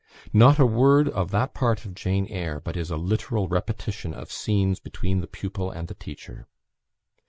Not a word of that part of "Jane Eyre" but is a literal repetition of scenes between the pupil and the teacher.